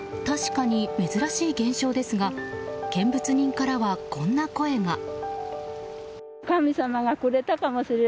確かに珍しい現象ですが見物人からはこんな声が。